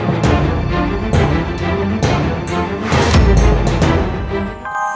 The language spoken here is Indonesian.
tidak mungkin vietnam